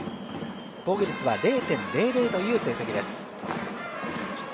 防御率は０．００という成績です。